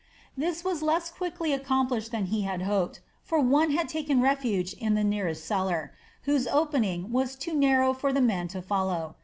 This was less quickly accomplished than he had hoped; for one had taken refuge in the nearest cellar, whose opening was too narrow for the men to follow.